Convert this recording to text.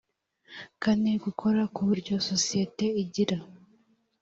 kane gukora ku buryo sosiyete igira